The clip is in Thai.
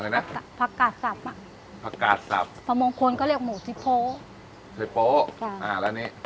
อะไรนะผักกาดสับผักกาดสับสำหรับมงคลก็เรียกหมูซิโพซิโพอ่าแล้วนี่